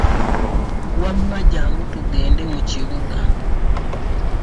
Wamma jjangu tugende mu kibuga.